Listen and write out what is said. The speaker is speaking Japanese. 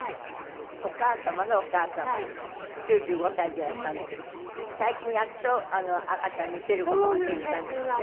お母様のお母様９５歳でいらっしゃるんだけど最近やっと赤ちゃん見せる事ができたんですって？